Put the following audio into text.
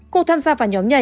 cô tham gia vào nhóm nhảy